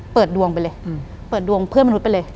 เปิดดวงไปเลยเปิดดวงเพื่อนมนุษย์ไปเลย